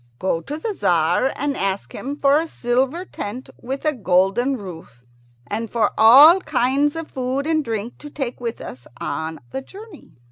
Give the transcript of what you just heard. Go to the Tzar and ask him for a silver tent with a golden roof, and for all kinds of food and drink to take with us on the journey."